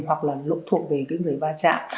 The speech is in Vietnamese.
hoặc là lỗi thuộc về cái người va chạm